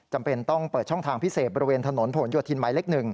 จำเป็นต้องเปิดช่องทางพิเศษบริเวณถนนผลโยธินหมายเลข๑